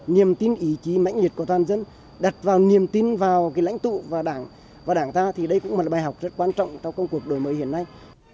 niềm tin ý chí mãnh liệt của toàn dân đặt vào niềm tin vào lãnh tụ và đảng và đảng ta thì đây cũng là bài học rất quan trọng trong công cuộc đổi mới hiện nay